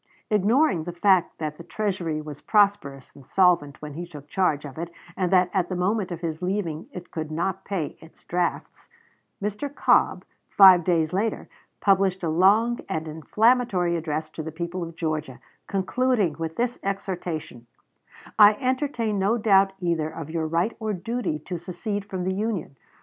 Ignoring the fact that the Treasury was prosperous and solvent when he took charge of it, and that at the moment of his leaving it could not pay its drafts, Mr. Cobb, five days later, published a long and inflammatory address to the people of Georgia, concluding with this exhortation: "I entertain no doubt either of your right or duty to secede from the Union.